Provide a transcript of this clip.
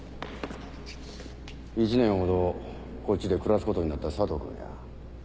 １年ほどこっちで暮らすことになった佐藤君や。